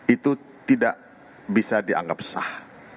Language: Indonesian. itu tidak bisa dianggap sah